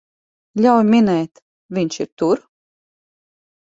Ļauj minēt, viņš ir tur?